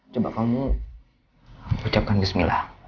coba kamu ucapkan bismillah